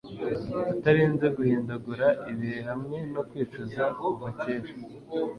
Utarinze guhindagura ibihe hamwe no kwicuza kuva kera